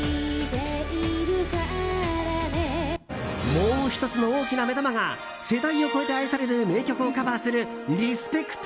もう１つの大きな目玉が世代を超えて愛される名曲をカバーするリスペクト！！